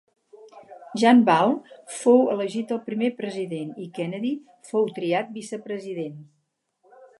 John Ball fou elegit el primer president i Kennedy fou triat vicepresident.